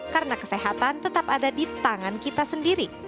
karena kesehatan tetap ada di tangan kita sendiri